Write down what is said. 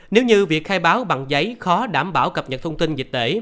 nếu như việc khai báo bằng giấy khó đảm bảo cập nhật thông tin dịch tễ